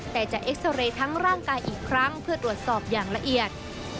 แต่จะเอ็กซาเรย์ทั้งร่างกายอีกครั้งเพื่อตรวจสอบอย่างละเอียด